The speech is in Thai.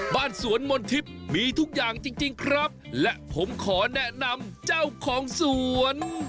บ้านสวนมนทิพย์มีทุกอย่างจริงจริงครับและผมขอแนะนำเจ้าของสวน